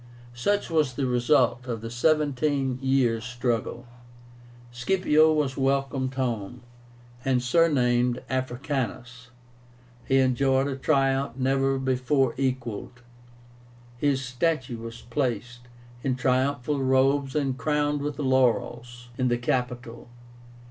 Such was the result of the seventeen years' struggle. Scipio was welcomed home, and surnamed AFRICANUS. He enjoyed a triumph never before equalled. His statue was placed, in triumphal robes and crowned with laurels, in the Capitol.